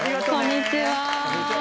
こんにちは。